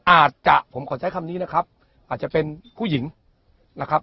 อาจจะผมขอใช้คำนี้นะครับอาจจะเป็นผู้หญิงนะครับ